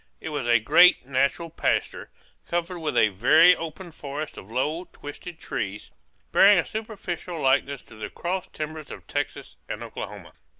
It was a great natural pasture, covered with a very open forest of low, twisted trees, bearing a superficial likeness to the cross timbers of Texas and Oklahoma.